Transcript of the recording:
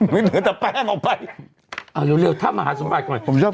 ไม่เหนือจะแป้มออกไปเอาเร็วเร็วทำมาหาสมบัติก่อนผมชอบกินกุ้ง